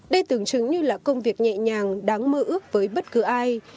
đây tưởng chừng như là công việc nhẹ nhàng đáng mơ ước với bất cứ ai